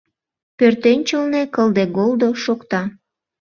Пӧртӧнчылнӧ кылде-голдо шокта.